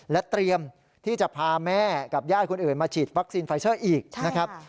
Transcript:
และเตรียมที่จะพาแม่กับญาติคนอื่นมาฉีดวัคซีนไฟเซอร์อีกนะครับ